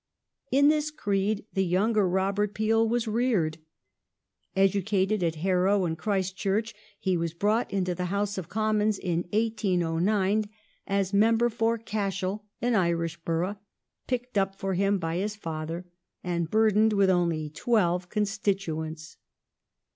In this creed the younger Robert Peel was feared. Educated at Harrow and Christ Church he was brought into the House of Commons in 1809 as member for Cashel, an Irish Borough picked up for him by his father, and burdened with only twelve constituents.